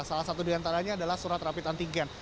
salah satu diantaranya adalah surat rapid antigen